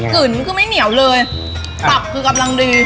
กลิ่นคือไม่เหนียวเลยตับคือกำลังดี